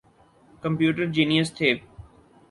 Computer genius تھے۔